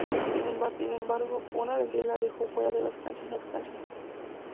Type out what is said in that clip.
Sin embargo, una lesión en el pie le dejó fuera de las canchas nuevamente.